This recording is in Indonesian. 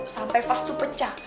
sampai pas itu pecah